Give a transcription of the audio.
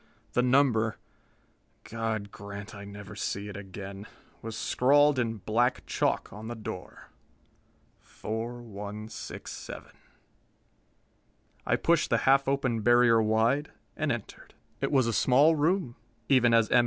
The number God grant I never see it again! was scrawled in black chalk on the door 4167. I pushed the half open barrier wide, and entered. It was a small room, even as M.